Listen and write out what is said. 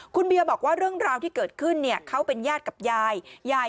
คุณเบียบอกว่าเรื่องราวที่เกิดขึ้นเนี่ยเขาเป็นญาติกับยายยาย